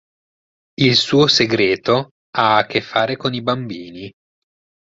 Il suo segreto ha a che fare con i bambini.